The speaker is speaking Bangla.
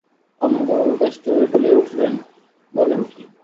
অন্নদাবাবু ব্যস্ত হইয়া বলিয়া উঠিলেন, বলেন কী।